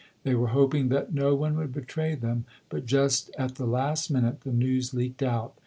They were hoping that no one would betray them, but just at the last minute the news leaked out.